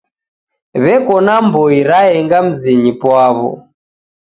W'eko na mboi raenga mzinyi pwaw'o.